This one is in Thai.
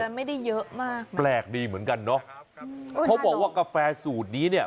แต่ไม่ได้เยอะมากแปลกดีเหมือนกันเนอะเขาบอกว่ากาแฟสูตรนี้เนี่ย